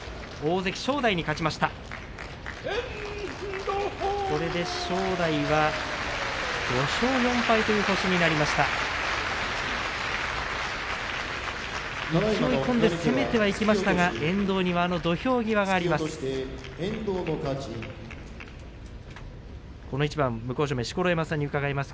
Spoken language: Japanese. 勢い込んで攻めてはいきましたが遠藤にはあの土俵際があります。